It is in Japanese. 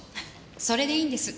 それでいいんです。